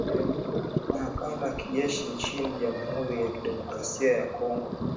mahakama ya kijeshi nchini jamhuri ya kidemokrasi ya congo